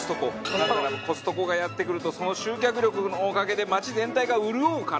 なぜならコストコがやって来るとその集客力のおかげで街全体が潤うから。